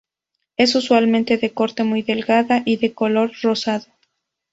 Es usualmente de corte muy delgado, y de color rosado.